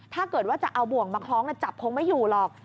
ถ้าเกิดว่าจะเอาบ่วงมาคล้องจับคงไม่อยู่หรอก